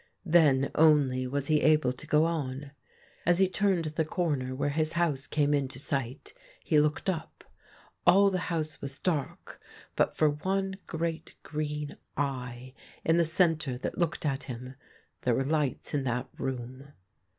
Then only was he able to go on. As he turned the corner where his house came into sight he looked up. All the house was dark but for one great green eye in the centre that looked at him. There were lights in that room.